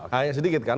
hanya sedikit kan